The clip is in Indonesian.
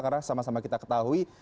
karena sama sama kita ketahui